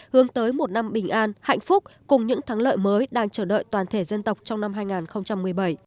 hướng tới một năm bình an hạnh phúc cùng những thắng lợi mới đang chờ đợi toàn thể dân tộc trong năm hai nghìn một mươi bảy